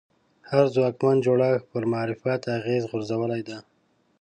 هر ځواکمن جوړښت پر معرفت اغېزه غورځولې ده